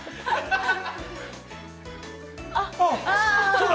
◆あっ。